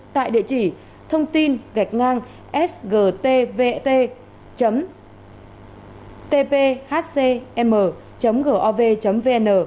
tại địa chỉ thông tin gạch ngang sgtvt tphcm gov vn